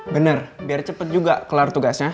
bener biar cepet juga kelar tugasnya